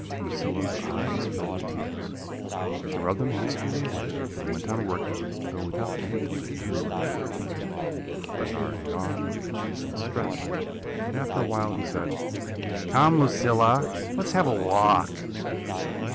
"Lucilla's eyes filled with tears; she rubbed them hastily away, and went on working, though without any delight in her work. "Bernard yawned, then stretched; and after a while he said: "'Come, Lucilla, let us have a walk.'